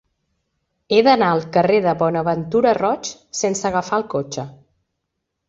He d'anar al carrer de Bonaventura Roig sense agafar el cotxe.